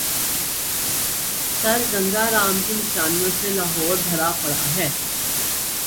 سرگنگا رام کی نشانیوں سے لاہور بھرا پڑا ہے۔